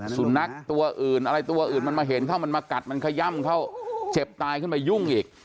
สุนัขตัวอื่นอะไรตัวอื่นมันมาเห็นเข้ามันมากัดมันขย่ำเขาเจ็บตายขึ้นมายุ่งอีก